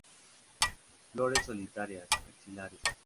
Flores solitarias, axilares.